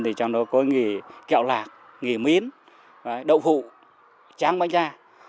thì trong đó có nghề kẹo lạc nghề miến đậu phụ tráng bánh da